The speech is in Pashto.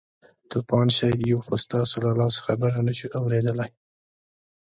توپان شئ یو خو ستاسو له لاسه خبره نه شوو اورېدلی.